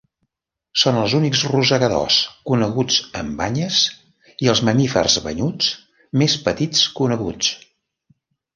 Són els únics rosegadors coneguts amb banyes i els mamífers banyuts més petits coneguts.